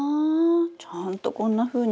ちゃんとこんなふうに育って。